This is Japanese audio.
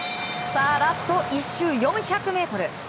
ラスト１周、４００ｍ。